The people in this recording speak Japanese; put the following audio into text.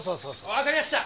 分かりやした。